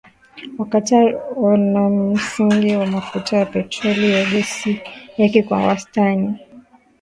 wa Qatar una msingi wa mafuta ya petroli na gesi yake Kwa wastani